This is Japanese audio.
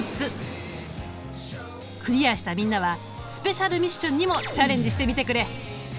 クリアしたみんなはスペシャルミッションにもチャレンジしてみてくれ。